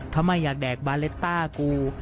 ทำไมอยากแดกบาเลสต้ากู